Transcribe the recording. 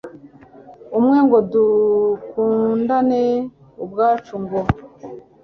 umwe, ngo dukundane ubwacu, ngo